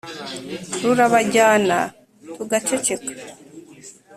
rurabajyana tugaceceka,